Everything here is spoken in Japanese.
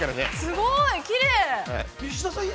◆すごーい、きれーい。